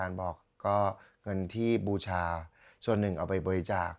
พระพิฆเนเจ้าโอมพระพิฆเนเจ้า